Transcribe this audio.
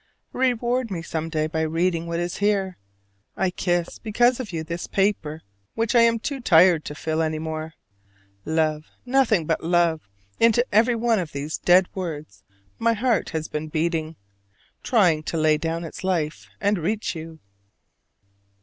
Reward me some day by reading what is here. I kiss, because of you, this paper which I am too tired to fill any more. Love, nothing but love! Into every one of these dead words my heart has been beating, trying to lay down its life and reach to you.